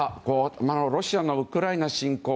ロシアのウクライナ侵攻